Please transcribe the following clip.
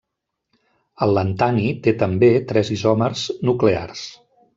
El lantani té també tres isòmers nuclears.